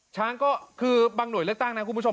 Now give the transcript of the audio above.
ช้างก็คือบางหน่วยเลือกตั้งนะคุณผู้ชม